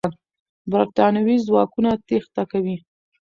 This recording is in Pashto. برتانوي ځواکونه تېښته کوي.